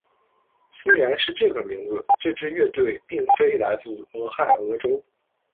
虽然是这个名字，这支乐队并非来自俄亥俄州。